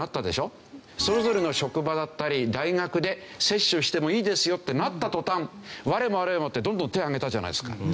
それぞれの職場だったり大学で接種してもいいですよってなった途端我も我もってどんどん手挙げたじゃないですか。